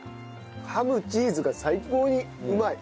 ハムチーズが最高にうまい。